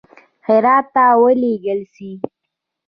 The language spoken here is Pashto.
هرات ته ولېږل سي.